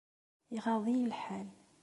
Iɣaḍ-iyi lḥal.